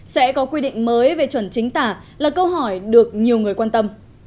sẽ có quy định mới về chuẩn chính tả là câu hỏi được nhiều người quan tâm